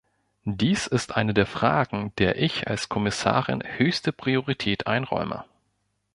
Dies ist eine der Fragen, der ich als Kommissarin höchste Priorität einräume.